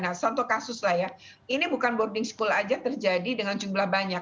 nah contoh kasus lah ya ini bukan boarding school aja terjadi dengan jumlah banyak